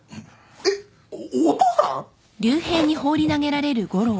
えっおっお父さん！？